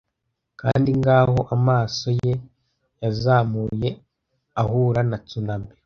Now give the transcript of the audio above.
kandi ngaho amaso ye yazamuye ahura na tsunami